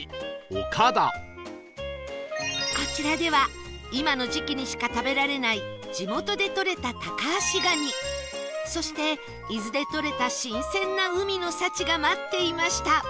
こちらでは今の時期にしか食べられない地元でとれたタカアシガニそして伊豆でとれた新鮮な海の幸が待っていました